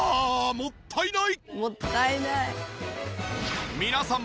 もったいない！